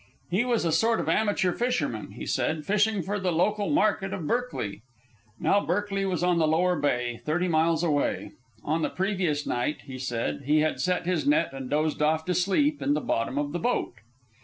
He was a sort of amateur fisherman, he said, fishing for the local market of Berkeley. Now Berkeley was on the Lower Bay, thirty miles away. On the previous night, he said, he had set his net and dozed off to sleep in the bottom of the boat.